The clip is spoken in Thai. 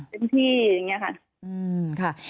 เป็นที่อย่างเงี้ยค่ะ